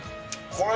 これ。